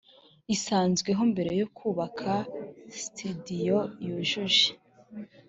isanzweho mbere yo kubaka sitidiyo yujuje